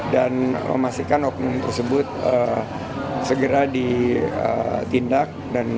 dan memastikan hukum tersebut segera ditindak